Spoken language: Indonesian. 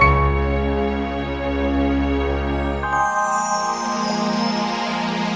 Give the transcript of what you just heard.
kita bel permetas jagung siang